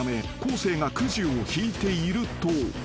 生がくじを引いていると］